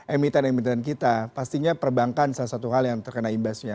emiten emiten kita pastinya perbankan salah satu hal yang terkena imbasnya